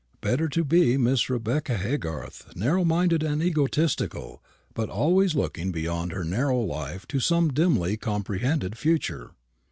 "Better to be Mrs. Rebecca Haygarth, narrow minded and egotistical, but always looking beyond her narrow life to some dimly comprehended future."